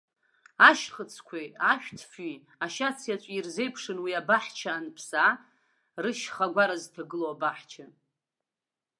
Ашьхыцқәеи, ашәҭфҩи, ашьац иаҵәеи ирзеиԥшын уи абаҳча анԥсаа рышьхагәара зҭагылоу абаҳча.